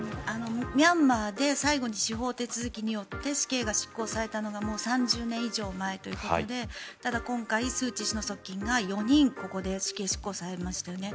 ミャンマーで最後に司法手続きによって死刑が執行されたのが３０年以上前ということでただ、今回スーチー氏の側近が４人ここで死刑執行されましたよね。